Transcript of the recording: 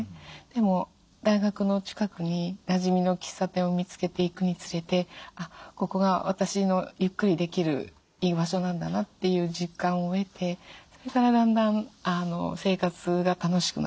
でも大学の近くになじみの喫茶店を見つけていくにつれて「あっここが私のゆっくりできる居場所なんだな」っていう実感を得てそれからだんだん生活が楽しくなっていきましたね。